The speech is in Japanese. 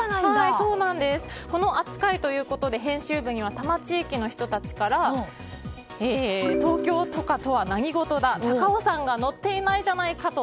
この扱いということで編集部には多摩地域の人たちから東京都下とは何事だとか高尾山が載っていないじゃないかと。